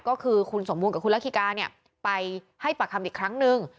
ก็คือคุณสมวงกับคุณราคิกาไปให้ปรับคำอีกครั้งนึง